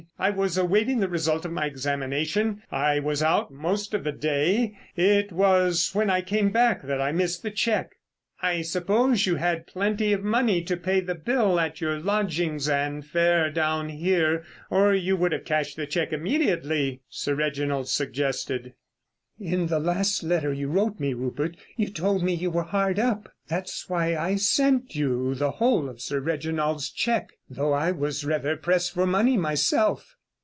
"I was awaiting the result of my examination. I was out most of the day: it was when I came back that I missed the cheque." "I suppose you had plenty of money to pay the bill at your lodgings and fare down here, or you would have cashed it immediately?" Sir Reginald suggested. "In the last letter you wrote me, Rupert, you told me you were rather hard up. That's why I sent you the whole of Sir Reginald's cheque, though I was rather pressed for money myself."